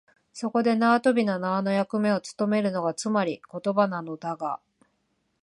そこで縄跳びの縄の役目をつとめるのが、つまり言葉なのだが、